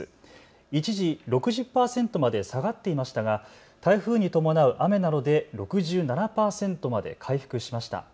一時６０％まで下がっていましたが台風に伴う雨などで６７％まで回復しました。